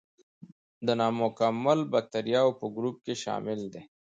د نامکمل باکتریاوو په ګروپ کې شامل دي.